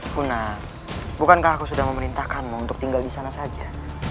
kuna bukankah aku sudah memerintahkanmu untuk tinggal disana saja